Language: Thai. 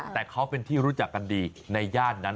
แต่เขาเป็นที่รู้จักกันดีในย่านนั้น